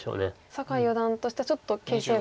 酒井四段としてはちょっと形勢が。